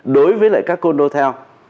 đối với lại các condo theo